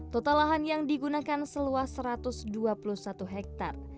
total lahan yang digunakan seluas satu ratus dua puluh satu hektare